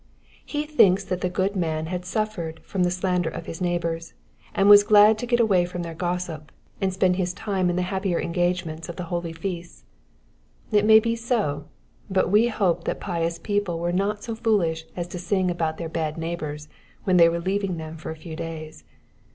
He thinks thai the good man had stefered from the slander of his neighbours, and was glad to get away from their gossq^ and spatd his Ume in ihe happier engagements of ihe holy feasts. U may be so, but we hope that jkous people were not so foolish as to sing about their bad neighbours when they toere leaving than for a few days.